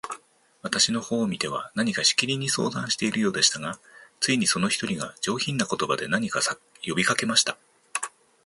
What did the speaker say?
私の方を見ては、何かしきりに相談しているようでしたが、ついに、その一人が、上品な言葉で、何か呼びかけました。